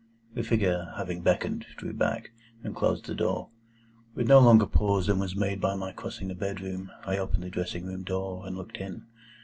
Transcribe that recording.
The figure, having beckoned, drew back, and closed the door. With no longer pause than was made by my crossing the bedroom, I opened the dressing room door, and looked in.